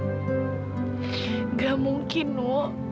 nggak mungkin bu